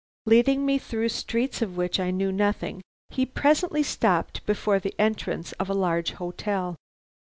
Leading me through streets of which I knew nothing, he presently stopped before the entrance of a large hotel.